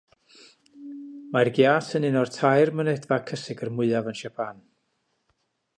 Mae'r giât yn un o'r tair mynedfa cysegr mwyaf yn Japan.